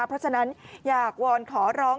เพราะฉะนั้นอยากวอนขอร้อง